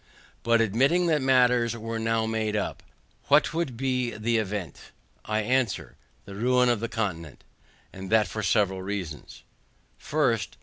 But admitting that matters were now made up, what would be the event? I answer, the ruin of the continent. And that for several reasons. FIRST.